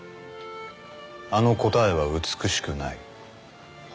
「あの答えは美しくない」